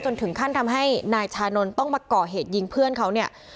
ถึงขั้นทำให้นายชานนท์ต้องมาก่อเหตุยิงเพื่อนเขาเนี่ย